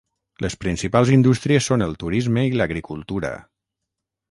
Les principals indústries són el turisme i l'agricultura.